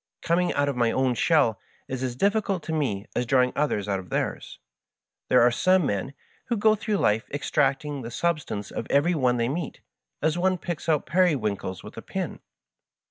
Coming out of my own shell is as difGieult to me as drawing others out of theirs. There are some men who go through life extracting the sub stance of every one they meet, as one picks out peri winkles with a pin.